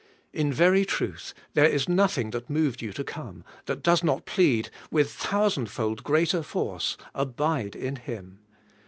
In very truth, there is nothing that moved you to come, that does not plead with thousandfold greater force: 'Abide in Him.'